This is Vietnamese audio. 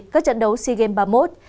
các trận đấu sea games ba mươi một